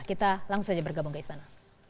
kita langsung saja bergabung ke istana